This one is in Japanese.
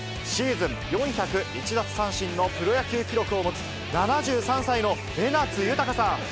シーズン４０１奪三振のプロ野球記録を持つ、７３歳の江夏豊さん。